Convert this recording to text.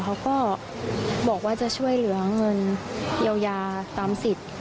เขาก็บอกว่าจะช่วยเหลือเงินเยียวยาตามสิทธิ์